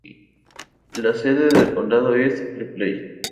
Las sede del condado es Ripley.